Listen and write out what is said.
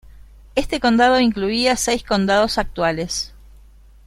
Este condado incluía seis condados actuales.